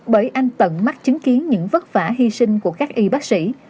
bởi anh tận mắt chứng kiến những vất vả hy sinh của các y bác sĩ